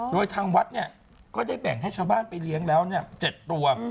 โดยทางวัดก็ได้แบ่งให้ชาวบ้านไปเลี้ยงแล้ว๗ตัว